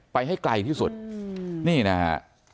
ไปให้ไกลที่สุดนี่นะฮะ